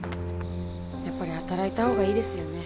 やっぱり働いた方がいいですよね。